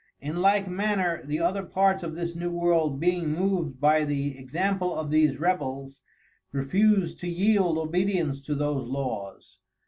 In like manner the other parts of this New World being moved by the Example of these Rebels, refused to yield Obedience to those Laws.